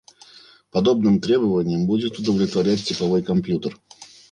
Подобным требованиям будет удовлетворять типовой компьютер